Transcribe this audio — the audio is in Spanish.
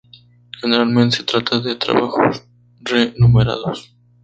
Generalmente se trata de trabajos remunerados.